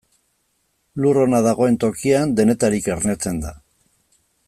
Lur ona dagoen tokian, denetarik ernetzen da.